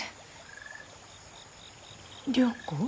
良子。